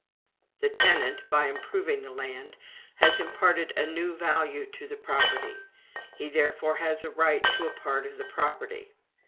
The tenant, by improving the land, has imparted a new value to the property; he, therefore, has a right to a part of the property.